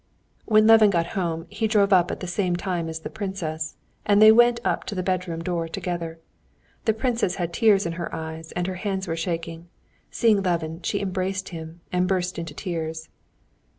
When Levin got home, he drove up at the same time as the princess, and they went up to the bedroom door together. The princess had tears in her eyes, and her hands were shaking. Seeing Levin, she embraced him, and burst into tears.